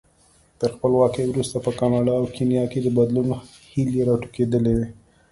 تر خپلواکۍ وروسته په ګانا او کینیا کې د بدلون هیلې راټوکېدلې وې.